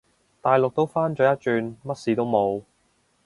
大陸都返咗一轉，乜事都冇